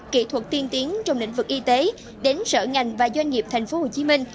kỹ thuật tiên tiến trong lĩnh vực y tế đến sở ngành và doanh nghiệp tp hcm